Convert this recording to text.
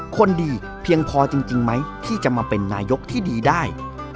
คนดีเพียงพอจริงไหมที่จะมาเป็นนายกที่ดีได้